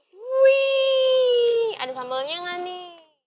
wih ada sambelnya gak nih